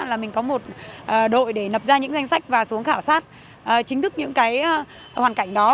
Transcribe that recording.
là mình có một đội để nập ra những danh sách và xuống khảo sát chính thức những cái hoàn cảnh đó